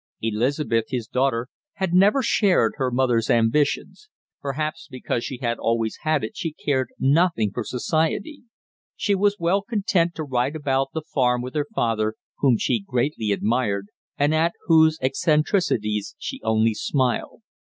Elizabeth, his daughter, had never shared her mother's ambitions. Perhaps because she had always had it she cared nothing for society. She was well content to ride about the farm with her father, whom she greatly admired, and at whose eccentricities she only smiled.